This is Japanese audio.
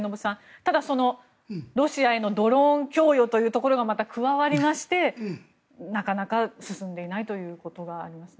ただ、ロシアへのドローン供与というところがまた加わりましてなかなか進んでいないということがありますね。